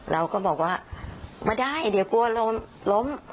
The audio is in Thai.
เราก็บอกว่าไม่ได้เดี๋ยวกลัวล้มล้ม